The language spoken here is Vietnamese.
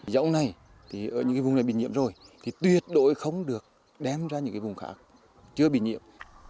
dẫu này những vùng này bị nhiễm rồi thì tuyệt đội không được đem ra những vùng khác chưa bị nhiễm